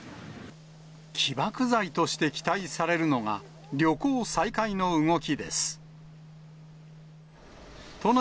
起爆剤として期待されるのが、旅行再開の動きです。